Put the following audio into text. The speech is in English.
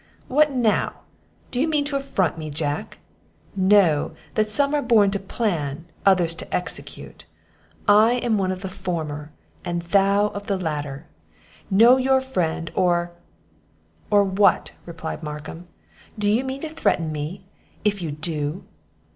"What now? do you mean to affront me, Jack? Know, that some are born to plan, others to execute; I am one of the former, thou of the latter. Know your friend, or " "Or what?" replied Markham; "do you mean to threaten me? If you do!"